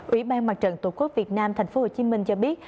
ủy ban mặt trận tổ quốc việt nam thành phố hồ chí minh cho biết